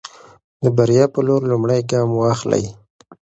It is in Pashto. د بریا په لور لومړی ګام واخلئ.